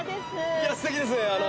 いやすてきですね。